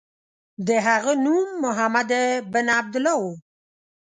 د هغه نوم محمد بن عبدالله و.